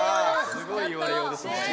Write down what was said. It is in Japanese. すごい言われようですね。